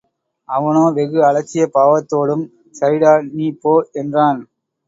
அவனோ வெகு அலட்சிய பாவத்தோடு, ம்... சரிடா நீ போ! என்றான்.